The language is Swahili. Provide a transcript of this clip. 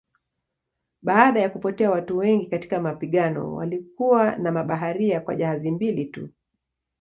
Baada ya kupotea watu wengi katika mapigano walikuwa na mabaharia kwa jahazi mbili tu.